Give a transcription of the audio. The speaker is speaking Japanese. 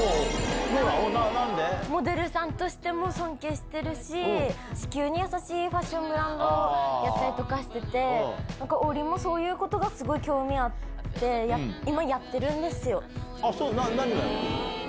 モデルさんとしても尊敬しているし、地球に優しいファッションブランドやったりとかしてて、なんか王林もそういうことがすごい興味あって、今やってるんですあっ、そう、何を？